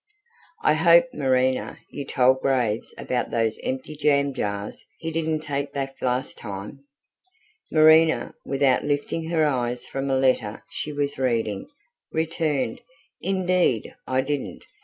"I hope, Marina, you told Graves about those empty jam jars he didn't take back last time?" Marina, without lifting her eyes from a letter she was reading, returned: "Indeed I didn't.